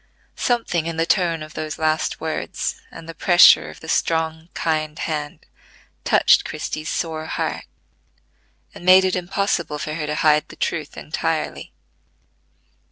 Something in the tone of those last words, and the pressure of the strong, kind hand, touched Christie's sore heart, and made it impossible for her to hide the truth entirely.